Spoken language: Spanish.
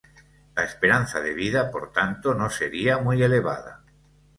La esperanza de vida, por tanto, no sería muy elevada.